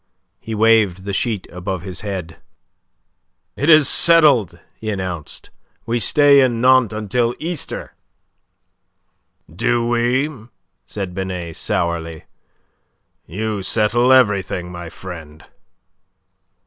He waved the sheet above his head. "It is settled," he announced, "we stay in Nantes until Easter." "Do we?" said Binet, sourly. "You settle everything, my friend."